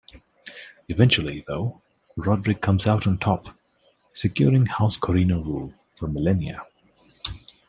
Eventually, though, Roderick comes out on top, securing House Corrino rule for millennia.